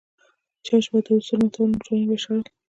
چې چا به دا اصول ماتول نو ټولنې به شړل.